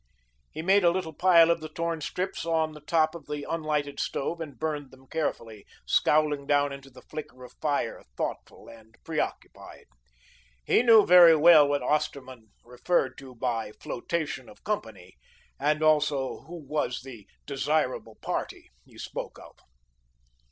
He made a little pile of the torn strips on the top of the unlighted stove, and burned them carefully, scowling down into the flicker of fire, thoughtful and preoccupied. He knew very well what Osterman referred to by "Flotation of company," and also who was the "desirable party" he spoke of.